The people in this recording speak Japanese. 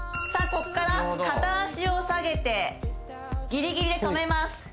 ここから片脚を下げてギリギリで止めます